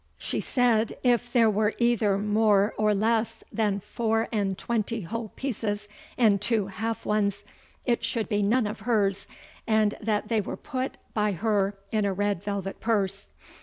She said, if there was either more or lesse then foure and tuentie whole peeces, and two halfe ones, it sould be none of hers; and that they were put by her in a red velvet purse.